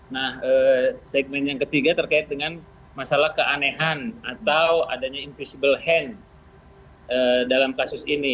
nah segmen yang ketiga terkait dengan masalah keanehan atau adanya invisible hand dalam kasus ini